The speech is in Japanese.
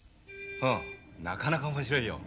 うんなかなか面白いよ。